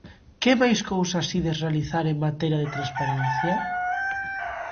Que máis cousas ides realizar en materia de transparencia?